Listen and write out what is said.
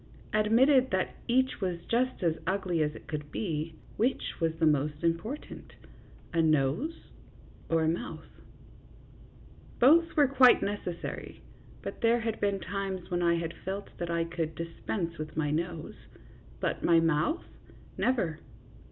Admitted that each was just as ugly as it could be, which was the more important, a nose or a mouth ? Both were quite necessary, but there had been times when I had felt that I could dispense with my nose ; but my mouth never.